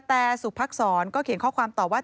แต่สุพักษรก็เขียนข้อความตอบว่า